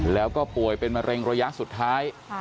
แล้วก็ป่วยเป็นมะเร็งระยะสุดท้าย